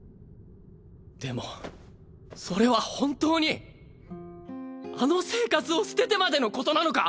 でもそれは本当にあの生活を捨ててまでのことなのか？